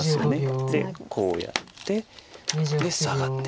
でこうやってサガって。